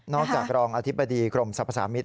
นอกจากรองอธิบดีกรมสรรพสามิทนะ